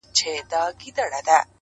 د ناکړدو پۀ اور تاؤدۀ لۀ زوره